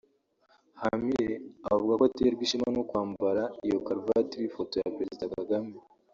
Hamire avuga ko aterwa ishema no kwambara iyo karuvati iriho ifoto ya Perezida Kagame